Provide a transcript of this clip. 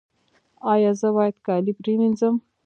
ایا زه باید کالي پریمنځم؟